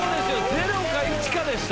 ゼロか１かでした。